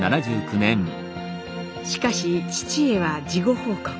しかし父へは事後報告。